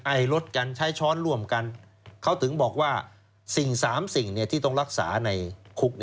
ไอรถกันใช้ช้อนร่วมกันเขาถึงบอกว่าสิ่ง๓สิ่งที่ต้องรักษาในคุก